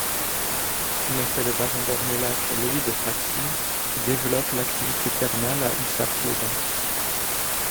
Mais c'est le baron d'Ornolac Louis de Fraxine qui développe l'activité thermale à Ussat-les-Bains.